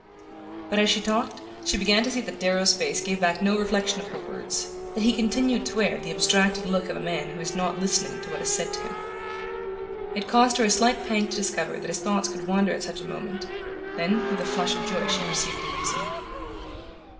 But as she talked she began to see that Darrow's face gave back no reflection of her words, that he continued to wear the abstracted look of a man who is not listening to what is said to him. It caused her a slight pang to discover that his thoughts could wander at such a moment; then, with a flush of joy she perceived the reason.